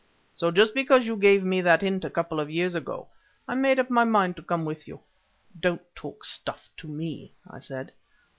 So just because you gave me that hint a couple of years ago, I made up my mind to come with you." "Don't talk stuff to me," I said.